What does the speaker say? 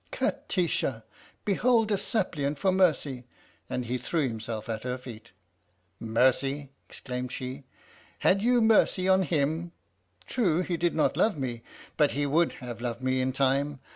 "" Kati sha! behold a suppliant for mercy! " And he threw himself at her feet. "Mercy?" exclaimed she. " Had you mercy on him ? True, he did not love me, but he would have loved me in time.